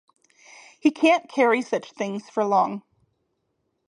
He can't carry such things for long.